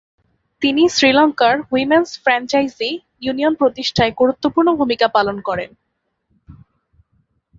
তিনি শ্রীলঙ্কার women's franchise union প্রতিষ্ঠায় গুরুত্বপূর্ণ ভূমিকা পালন করেন।